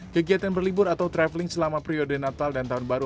kegiatan berlibur atau traveling selama periode natal dan tahun baru